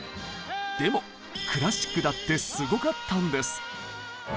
でもクラシックだってすごかったんです！